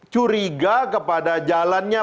curiga kepada jalannya